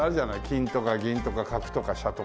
金とか銀とか角とか飛車とか。